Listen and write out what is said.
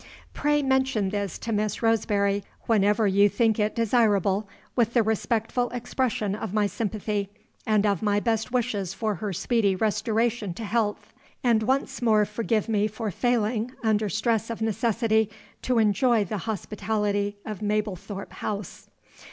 "Pray mention this to Miss Roseberry (whenever you think it desirable), with the respectful expression of my sympathy, and of my best wishes for her speedy restoration to health. And once more forgive me for failing, under stress of necessity, to enjoy the hospitality of Mablethorpe House."